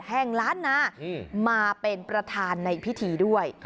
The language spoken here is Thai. ล้านนามาเป็นประธานในพิธีด้วย